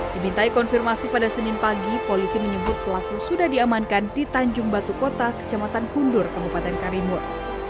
dimintai konfirmasi pada senin pagi polisi menyebut pelaku sudah diamankan di tanjung batu kota kecamatan kundur kabupaten karimur